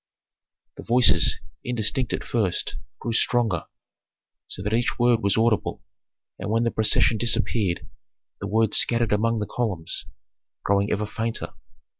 " Authentic. The voices, indistinct at first, grew stronger, so that each word was audible, and when the procession disappeared the words scattered among the columns, growing ever fainter.